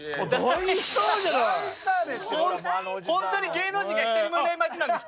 本当に芸能人が１人もいない町なんです。